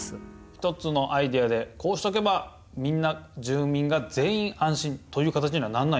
ひとつのアイデアでこうしとけばみんな住民が全員安心という形にはなんないんですね。